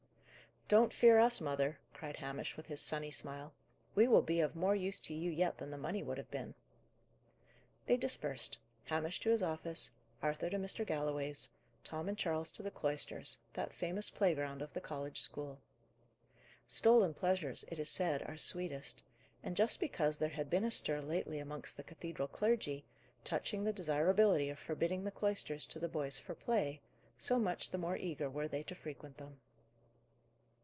"Don't fear us, mother," cried Hamish, with his sunny smile. "We will be of more use to you yet than the money would have been." They dispersed Hamish to his office, Arthur to Mr. Galloway's, Tom and Charles to the cloisters, that famous playground of the college school. Stolen pleasures, it is said, are sweetest; and, just because there had been a stir lately amongst the cathedral clergy, touching the desirability of forbidding the cloisters to the boys for play, so much the more eager were they to frequent them.